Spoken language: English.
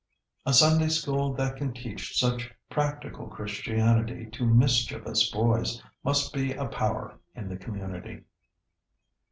A Sunday School that can teach such practical Christianity to mischievous boys must be a power in the community.